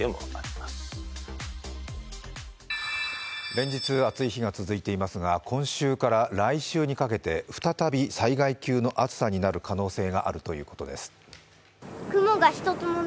連日暑い日が続いていますが今週から来週にかけて再び災害級の暑さになる可能性があるということです。